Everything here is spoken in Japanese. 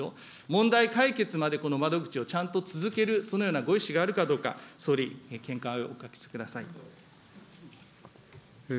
問題解決までこの窓口をちゃんと続ける、そのようなご意思があるかどうか、総理、見解をお聞かせください。